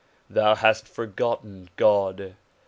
Thou hast forgotten God.